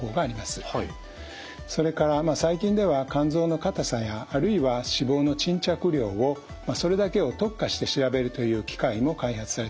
それから最近では肝臓の硬さやあるいは脂肪の沈着量をそれだけを特化して調べるという機械も開発されています。